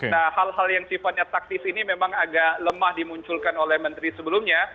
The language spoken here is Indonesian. nah hal hal yang sifatnya taktis ini memang agak lemah dimunculkan oleh menteri sebelumnya